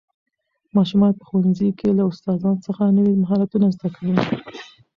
ماشومان په ښوونځي کې له استادانو څخه نوي مهارتونه زده کوي